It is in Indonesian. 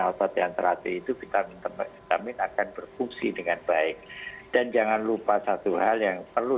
otot yang terlatih itu vitamin vitamin akan berfungsi dengan baik dan jangan lupa satu hal yang perlu